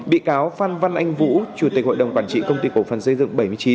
bị cáo phan văn anh vũ chủ tịch hội đồng quản trị công ty cổ phần xây dựng bảy mươi chín